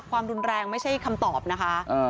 ความรุนแรงไม่ใช่คำตอบนะคะ